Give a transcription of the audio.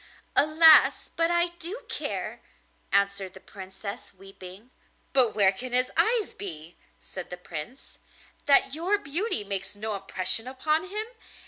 'Alas! but I do care,' answered the Princess, weeping. 'But where can his eyes be,' said the Prince, 'that your beauty makes no impression upon him?